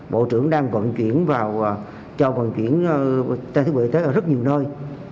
bộ trưởng đang vận chuyển vào cho vận chuyển tp hcm ở rất nhiều nơi